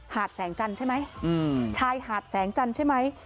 แสงจันทร์ใช่ไหมชายหาดแสงจันทร์ใช่ไหม